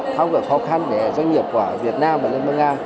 tham khảo khó khăn để doanh nghiệp của việt nam và liên bang nga